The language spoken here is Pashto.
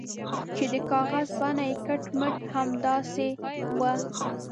چې د کاغذ بڼه یې کټ مټ همداسې وه.